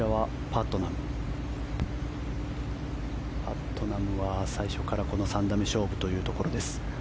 パットナムは最初からこの３打目勝負というところです。